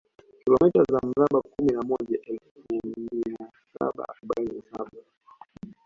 Kilomita za mraba kumi na moja elfu mia saba arobaini na saba